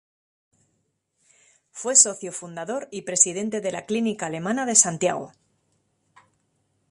Fue socio fundador y presidente de la Clínica Alemana de Santiago.